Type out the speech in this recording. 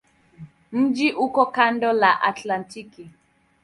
Mji uko kando la Atlantiki.